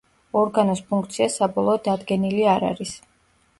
ორგანოს ფუნქცია საბოლოოდ დადგენილი არ არის.